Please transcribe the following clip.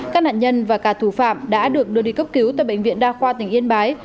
các nạn nhân và cả thủ phạm đã được đưa đi cấp cứu tại bệnh viện đa khoa tỉnh yên bái